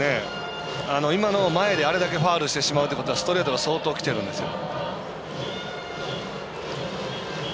今の前で亜あれだけファウルしてしまうということはストレートが相当きてるんですよ。